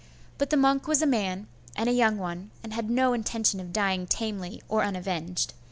But the monk was a man, and a young one, and had no intention of dying tamely or unavenged.